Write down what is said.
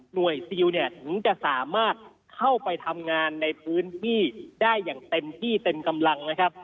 ซิลเนี่ยถึงจะสามารถเข้าไปทำงานในพื้นที่ได้อย่างเต็มที่เต็มกำลังนะครับ